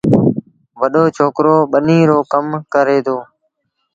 وڏو ڇوڪرو ٻنيٚ رو ڪم ڪري دو۔